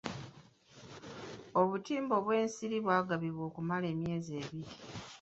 Obutimba bw'ensiri bwagabibwa okumala emyezi ebiri.